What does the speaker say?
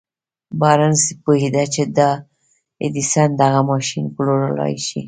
بارنس پوهېده چې د ايډېسن دغه ماشين پلورلای شي.